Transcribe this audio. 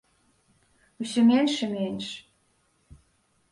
Усё менш і менш.